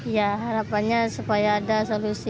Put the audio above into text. ya harapannya supaya ada solusi